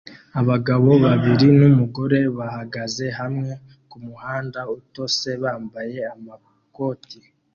Abagabo babiri numugore bahagaze hamwe kumuhanda utose bambaye amakoti